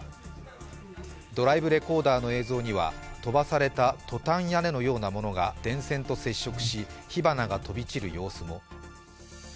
ドライブレコーダーの映像には飛ばされたトタン屋根のようなものが電線と接触し、火花が飛び散る様子も。